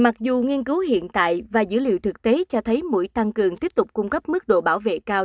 mặc dù nghiên cứu hiện tại và dữ liệu thực tế cho thấy mũi tăng cường tiếp tục cung cấp mức độ bảo vệ cao